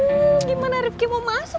gimana rifki mau masuk